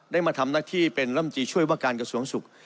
ได้มาทำหนักที่เป็นลำจีช่วยว่าการส่วนสุข